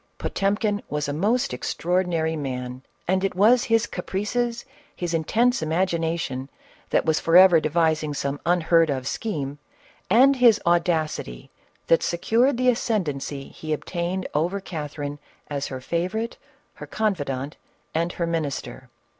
Potemkin was a most extraordinary man, and it was his caprices, his intense imagination that was forever d< vising some unheard of scheme, and his audacity that secured the ascendency he obtained over Cathe rine as her favorite, her confidant, and her minister.